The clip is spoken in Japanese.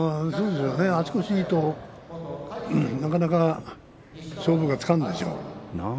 足腰がいいとなかなか勝負がつかないでしょう。